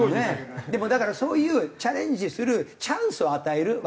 でもだからそういうチャレンジするチャンスを与える若い人たちに。